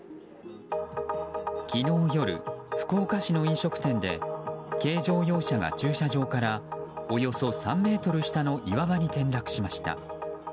昨日夜、福岡市の飲食店で軽乗用車が駐車場からおよそ３ｍ下の岩場に転落しました。